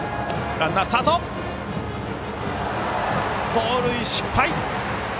盗塁失敗。